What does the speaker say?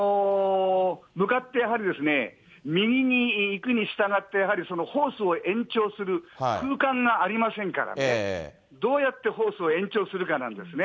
向かってやはりですね、右に行くにしたがって、やはりそのホースを延長する空間がありませんからね、どうやってホースを延長するかなんですね。